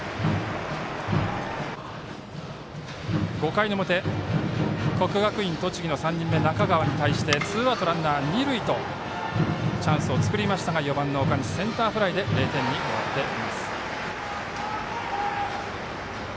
５回の表、国学院栃木の３人目中川に対してツーアウト、ランナー、二塁とチャンスを作りましたが４番の岡西、センターフライで０点に終わっています。